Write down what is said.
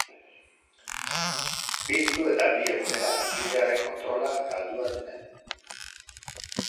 Piztu eta bi egunera, sutearen kontrola galdua zuten.